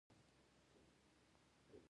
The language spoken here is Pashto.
آیا بهرنیان دا جامې اخلي؟